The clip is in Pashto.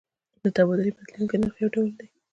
د تبادلې بدلیدونکی نرخ یو ډول دی.